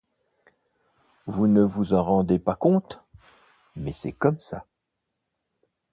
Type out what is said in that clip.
Vous ne vous en rendez pas compte, mais c'est comme ça.